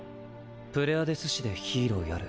プレアデス市でヒーローやる。